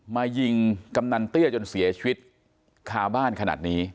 มายิงกำนันเตี้ยจนเสียชีวิตคาบ้านขนาดนี้